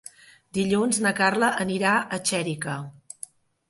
Dilluns na Carla anirà a Xèrica.